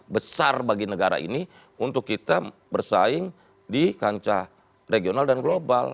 besar bagi negara ini untuk kita bersaing di kancah regional dan global